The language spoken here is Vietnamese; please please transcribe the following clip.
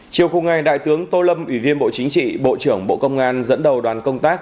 chiều cùng ngày đại tướng tô lâm ủy viên bộ chính trị bộ trưởng bộ công an dẫn đầu đoàn công tác